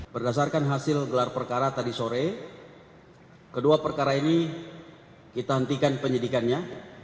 berdasarkan hasil gelar perkara tadi sore kedua perkara ini kita hentikan penyidikannya